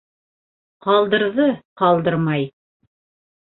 Ҡалдырҙы ҡалдырмай.